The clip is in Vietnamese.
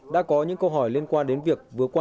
đã có những câu hỏi liên quan đến việc